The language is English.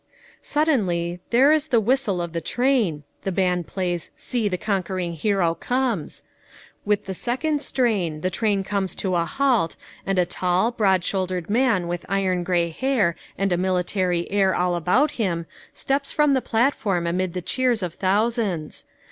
5 * Suddenly there is the whistle of the train, the band plays See, the conquering Hero comes! With the second strain the train comes to a halt, and a tall, broad shouldered man with iron gray hair and a military air all about him steps from the platform amid the cheers of thousands.